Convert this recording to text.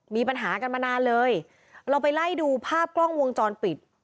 มีปัญหากันมานานเลยเราไปไล่ดูภาพกล้องวงจรปิด